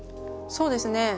そうですね。